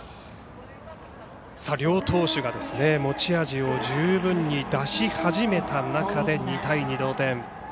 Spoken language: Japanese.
両投手が持ち味を十分に出し始めた中で２対２の同点。